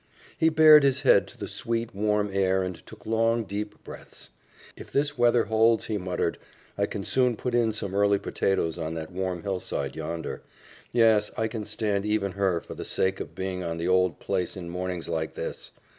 He bared his head to the sweet, warm air and took long, deep breaths. "If this weather holds," he muttered, "I can soon put in some early potatoes on that warm hillside yonder. Yes, I can stand even her for the sake of being on the old place in mornings like this.